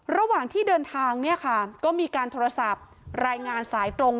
ระหว่างที่เดินทางเนี่ยค่ะก็มีการโทรศัพท์รายงานสายตรง